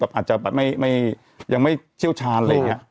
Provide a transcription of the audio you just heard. อาจจะปัดยังไม่เชี่ยวชาญ